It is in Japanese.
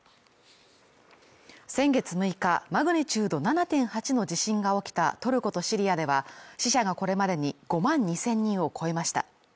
先月６日、マグニチュード７．８の地震が起きたトルコとシリアでは死者がこれまでに５万２０００人を超えました。